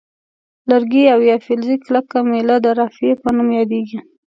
لرګی او یا فلزي کلکه میله د رافعې په نوم یادیږي.